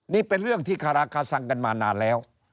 นี่เป็นเรื่องที่คาราคาสังกันมานานแล้ว